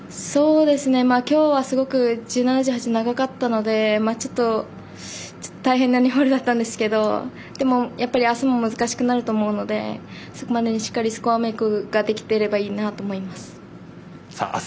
きょうはすごく１７、１８長かったのでちょっと大変な２ホールだったんですけどでも、やっぱりあすも難しくなると思うのでそこまでにしっかりスコアメークができてればいいなと思います。